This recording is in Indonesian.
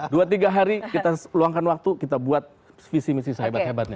dua tiga hari kita luangkan waktu kita buat visi misi sehebat hebatnya